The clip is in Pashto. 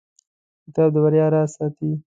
کتاب د بریا راز ساتي.